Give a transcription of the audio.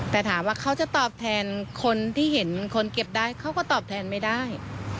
แต่ถามว่าเขาจะตอบแทนคนที่เห็นคนเก็บได้เขาก็ตอบแทนไม่ได้